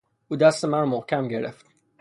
او دست مرا محکم گرفت.